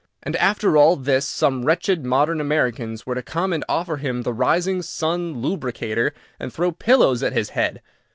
And after all this some wretched modern Americans were to come and offer him the Rising Sun Lubricator, and throw pillows at his head!